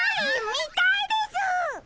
みたいです！